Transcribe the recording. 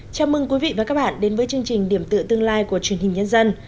chào mừng quý vị và các bạn đến với chương trình điểm tựa tương lai của truyền hình nhân dân